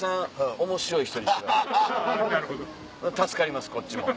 助かりますこっちも。